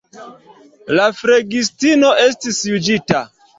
La flegistino estis juĝita.